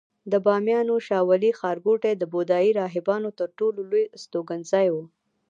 د بامیانو شاولې ښارګوټی د بودایي راهبانو تر ټولو لوی استوګنځای و